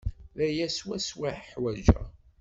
D aya swaswa i ḥwajeɣ.